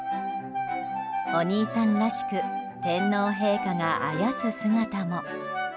お兄さんらしく天皇陛下があやす姿も。